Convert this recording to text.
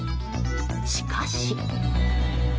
しかし。